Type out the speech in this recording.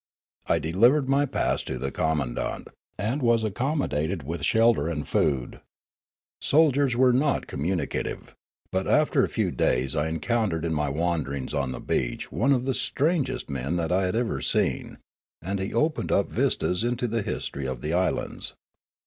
I delivered my pass to the com mandant, and was accommodated with shelter and food. The soldiers were not communicative ; but after a few days I encountered in my wanderings on the beach one of the strangest men that I had ever seen, and he opened up vistas into the history of the islands.